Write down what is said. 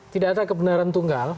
tidak ada kebenaran tunggal